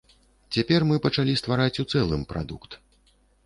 Цяпер мы пачалі ствараць у цэлым прадукт.